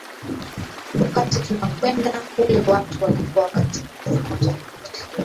wakati tunakwenda kule watu walikuwa katika mitazamo tofauti